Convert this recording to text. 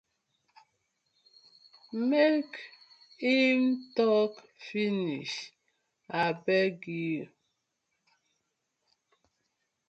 Mek im tok finish abeg yu.